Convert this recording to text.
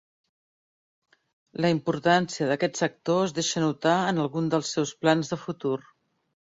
La importància d'aquest sector es deixa notar en alguns dels seus plans de futur.